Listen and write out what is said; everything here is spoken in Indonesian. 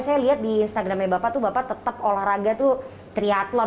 saya lihat di instagramnya bapak tuh bapak tetap olahraga tuh triathlon